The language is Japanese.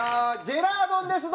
ジェラードンです！